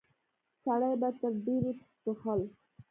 سړي به تر ډيرو ټوخل.